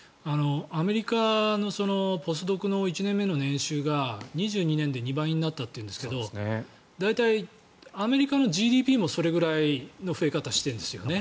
アメリカのポスドクの１年目の年収が２２年で２倍になったというんですが大体、アメリカのＧＤＰもそれぐらいの増え方をしているんですよね。